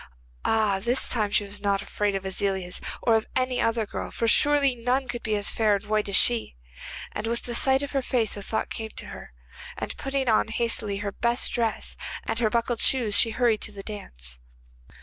Ah, this time she was not afraid of Aziliez or of any other girl, for surely none could be as fair and white as she. And with the sight of her face a thought came to her, and putting on hastily her best dress and her buckled shoes she hurried off to the dance.